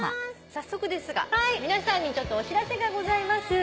早速ですが皆さんにちょっとお知らせがございます。